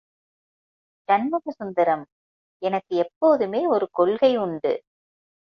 ஷண்முகசுந்தரம் எனக்கு எப்போதுமே ஒரு கொள்கை உண்டு.